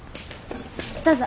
どうぞ。